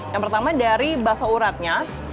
yang pertama dari bakso uratnya